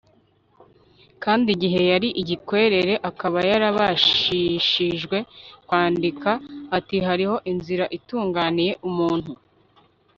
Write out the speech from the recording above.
kandi igihe yari igikwerere akaba yarabashishijwe kwandika ati hariho inzira itunganiye umuntu